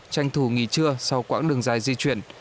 tranh thủ nghỉ trưa sau quãng đường dài di chuyển